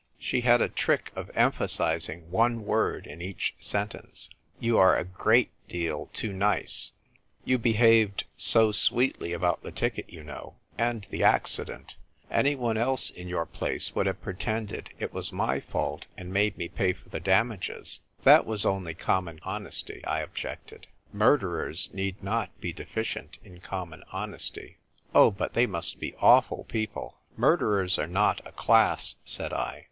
(She had a trick of emphasising one word in each sentence.) "You are a great deal too nice. I PLAY CARMEN, 101 You behaved so sweetly about the ticket, you know, and the accident ! Anyone else in your place would have pretended it was my fault, and made me pay for the damages." "That was only common honesty," I objected. " Murderers need not be deficient in common honesty." " Oh, but they must be awful people! " "Murderers are not a class," said I.